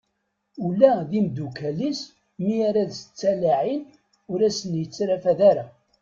Ula d imddukal-is mi ara as-d-ttalaɛin ur asen-itterfad ara.